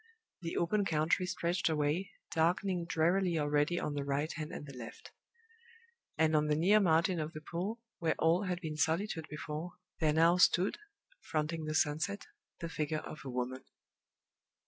The open country stretched away, darkening drearily already on the right hand and the left. And on the near margin of the pool, where all had been solitude before, there now stood, fronting the sunset, the figure of a woman.